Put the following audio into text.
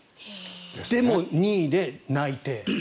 でも、２位で内定。